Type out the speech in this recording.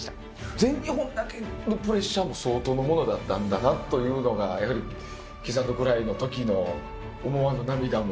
全日本だけのプレッシャーも相当のものだったんだなというのがやはりキス＆クライのときの思わぬ涙も。